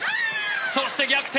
そして、逆転！